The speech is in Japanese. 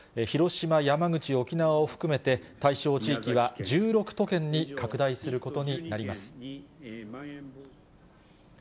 広島、山口、沖縄を含めて、対象地域は１６都県に拡大することになります。